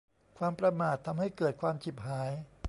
ความประมาททำให้เกิดความฉิบหาย